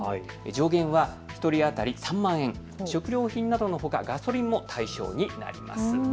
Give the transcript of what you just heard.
上限は１人当たり３万円、食料品などのほかガソリンも対象になります。